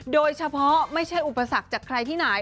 โดยเฉพาะไม่ใช่อุปสรรคจากใครที่ไหน